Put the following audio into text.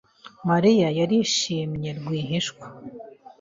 Mariya yarishimye rwihishwa.